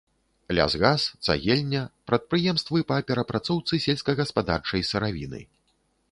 Лясгас, цагельня, прадпрыемствы па перапрацоўцы сельскагаспадарчай сыравіны.